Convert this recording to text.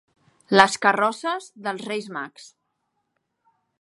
Les carrosses dels Reis Mags.